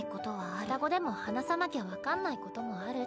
双子でも話さなきゃ分かんないこともあるって。